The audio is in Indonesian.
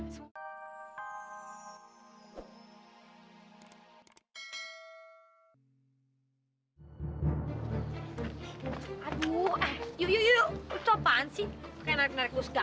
sampai jumpa di video selanjutnya